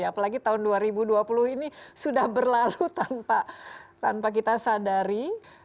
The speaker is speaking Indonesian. apalagi tahun dua ribu dua puluh ini sudah berlalu tanpa kita sadari